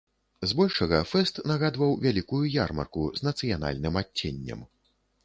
З большага фэст нагадваў вялікую ярмарку з нацыянальным адценнем.